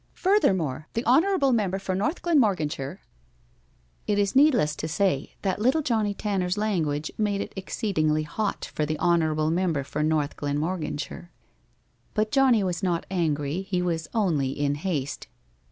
Furthermore, the honorable member for North Glenmorganshire It is needless to say that little Johnnie Tanner's language made it exceedingly hot for the honorable member for North Glenmorganshire. But Johnnie was not angry. He was only in haste.